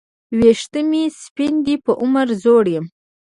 وېښته مي سپین دي په عمر زوړ یم